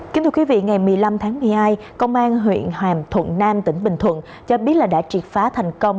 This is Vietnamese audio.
kính thưa quý vị ngày một mươi năm tháng một mươi hai công an huyện hàm thuận nam tỉnh bình thuận cho biết là đã triệt phá thành công